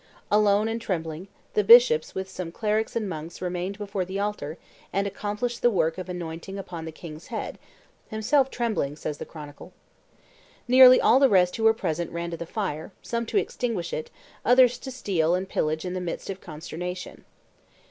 Alone and trembling, the bishops with some clerics and monks remained before the altar and accomplished the work of anointment upon the king's head, "himself trembling," says the chronicle. Nearly all the rest who were present ran to the fire, some to extinguish it, others to steal and pillage in the midst of the consternation.